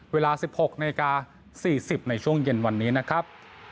เวลา๑๖นาฬิกา๔๐ในช่วงเย็นวันนี้นะครับ